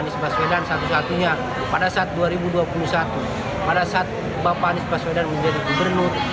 anies baswedan satu satunya pada saat dua ribu dua puluh satu pada saat bapak anies baswedan menjadi gubernur